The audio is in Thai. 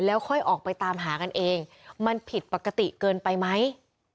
แล้วค่อยออกไปตามหากันเองมันผิดปกติเกินไปไหม